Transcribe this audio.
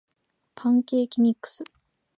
パンケーキミックス